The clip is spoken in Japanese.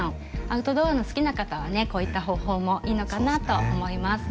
アウトドアの好きな方はねこういった方法もいいのかなと思います。